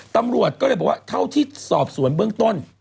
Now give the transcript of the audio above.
ตำรวจก็เลยบอกว่าเท่าที่สอบสวนเบื้องต้น